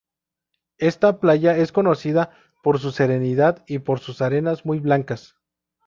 Esta playa es conocida por su serenidad y por sus arenas muy blancas.